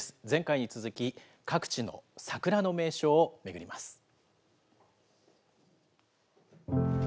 前回に続き、各地の桜の名所を巡ります。